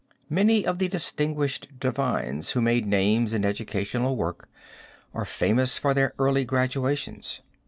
Many of the distinguished divines who made names in educational work are famous for their early graduations.